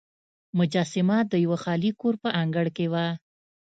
مجسمه د یوه خالي کور په انګړ کې وه.